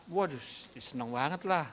waduh senang banget lah